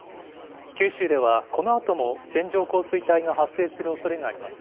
九州ではこのあとも線状降水帯が発生するおそれがあります。